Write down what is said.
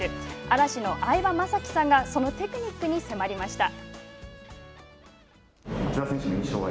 嵐の相葉雅紀さんがそのテクニックに迫りました。